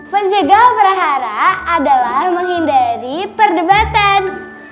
penjegal berharap adalah menghindari perdebatan